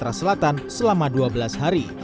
di provinsi sumatera selatan selama dua belas hari